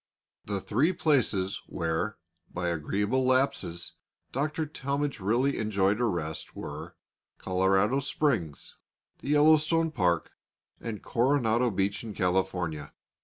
The three places where, by agreeable lapses, Dr. Talmage really enjoyed a rest, were Colorado Springs, the Yellowstone Park, and Coronado Beach in California.